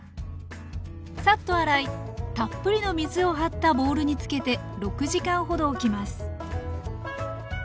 さっと洗いたっぷりの水を張ったボウルにつけて６時間ほどおきます